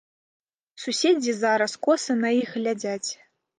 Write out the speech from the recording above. Суседзі зараз коса на іх глядзяць.